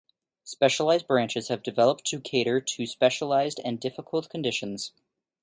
Specialized branches have developed to cater to special and difficult conditions.